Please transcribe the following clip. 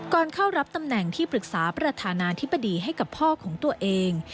เข้ารับตำแหน่งที่ปรึกษาประธานาธิบดีให้กับพ่อของตัวเอง